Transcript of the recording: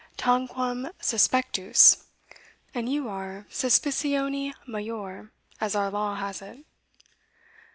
tanquam suspectus, and you are suspicione major, as our law has it."